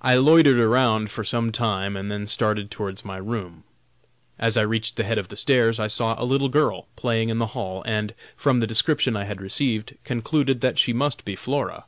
I loitered around for some time and then started towards my room. As I reached the head of the stairs, I saw a little girl playing in the hall, and, from the description I had received, concluded that she must be Flora.